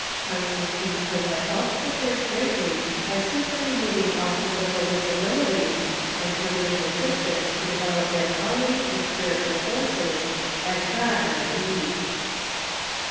Con stantine could liave helped the Church greatly by simply re moving all political disabilities, and permitting the Chris tians to develop their polity and spiritual forces as God migi^t lead.